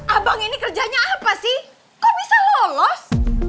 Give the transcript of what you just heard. abang ini kerjanya apa sih kok bisa lolos